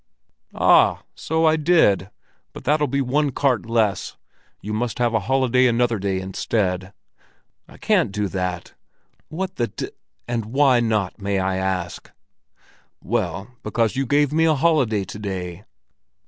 "Ah, so I did! But that'll be one cart less. You must have a holiday another day instead." "I can't do that." "What the de—— And why not, may I ask?" "Well, because you gave me a holiday to day."